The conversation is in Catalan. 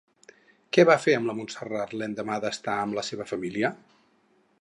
Què va fer amb la Montserrat l'endemà d'estar amb la seva família?